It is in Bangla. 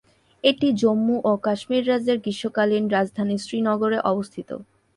এটি জম্মু ও কাশ্মীর রাজ্যের গ্রীষ্মকালীন রাজধানী শ্রীনগরে অবস্থিত।